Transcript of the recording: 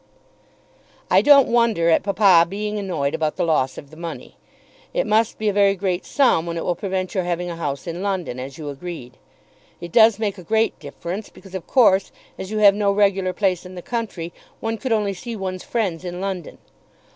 I don't wonder at papa being annoyed about the loss of the money. It must be a very great sum when it will prevent your having a house in London, as you agreed. It does make a great difference, because, of course, as you have no regular place in the country, one could only see one's friends in London.